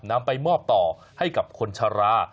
นำไปมอบต่อให้กับคนชะลา